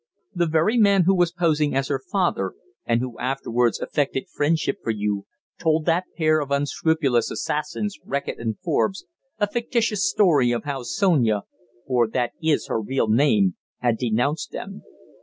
The very man who was posing as her father and who afterwards affected friendship for you told that pair of unscrupulous assassins, Reckitt and Forbes, a fictitious story of how Sonia for that is her real name had denounced them.